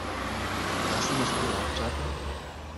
¿Hacemos una horchata?